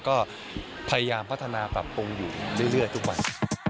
ก็พยายามพัฒนาปรับปรุงอยู่เรื่อยทุกวัน